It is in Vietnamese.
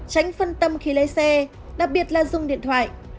tránh phân tâm khi lấy xe đặc biệt là dùng điện thoại